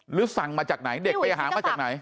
สั่งมาจากไหนเด็กไปหามาจากไหน